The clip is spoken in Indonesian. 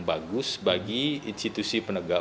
bagus bagi institusi penegak